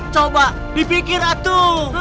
coba dipikir atuh